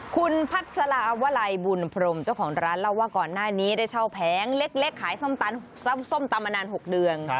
คุณพัฒนาวลัยบุญพรมตอนนี้ได้เช่าแผงเล็กขายส้มตำอาณาน๖เดือน